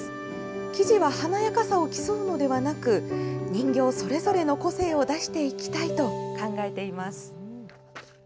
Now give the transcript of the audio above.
生地は華やかさを競うのではなく、人形それぞれの個性を出していきたいと考えています。